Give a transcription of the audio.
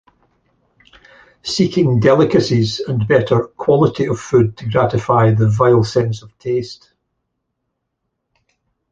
Seeking delicacies and better "quality" of food to gratify the "vile sense of taste.